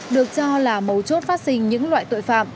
được cho là mấu chốt phát sinh những loại tội phạm